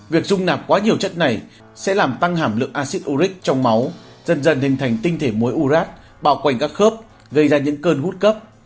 việc dung nạp quá nhiều chất này sẽ làm tăng hẳm lượng acid uric trong máu dần dần hình thành tinh thể muối urat bảo quảnh các khớp gây ra những cơn gút cấp